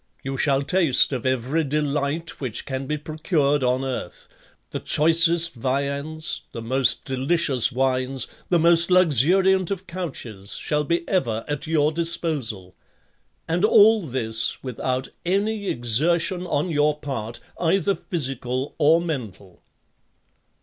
You shall taste of every delight which can be procured on earth; the choicest viands, the most delicious wines, the most luxuriant of couches shall be ever at your disposal; and all this without any exertion on your part, either physical or mental."